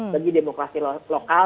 bagi demokrasi lokal